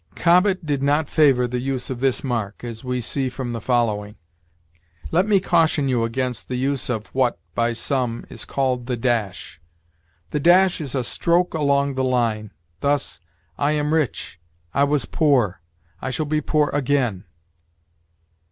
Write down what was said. Cobbett did not favor the use of this mark, as we see from the following: "Let me caution you against the use of what, by some, is called the dash. The dash is a stroke along the line; thus, 'I am rich I was poor I shall be poor again.'